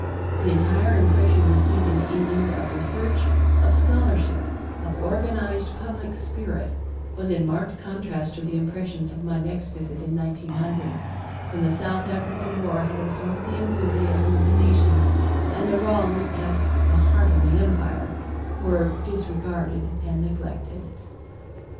The entire impression received in England of research, of scholarship, of organized public spirit, was in marked contrast to the impressions of my next visit in 1900, when the South African War had absorbed the enthusiasm of the nation and the wrongs at "the heart of the empire" were disregarded and neglected.